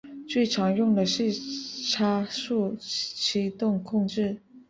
最常用的是差速驱动控制。